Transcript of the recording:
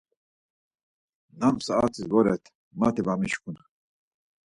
Nam saat̆is voret mati va mişǩun?